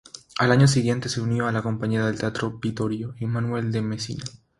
Al año siguiente se unió a la compañía del Teatro Vittorio Emanuele de Mesina.